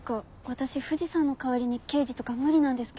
私藤さんの代わりに刑事とか無理なんですけど。